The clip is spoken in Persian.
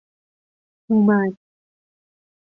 هومن